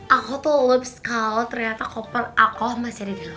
aku tuh lubis kalau ternyata koper aku masih di dalam